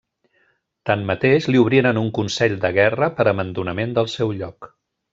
Tanmateix li obriren un consell de guerra per abandonament del seu lloc.